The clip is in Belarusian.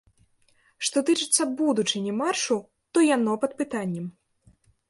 Што тычыцца будучыні маршу, то яно пад пытаннем.